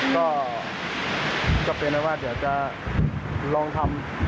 ก็เป็นว่าเดี๋ยวจะลองทำ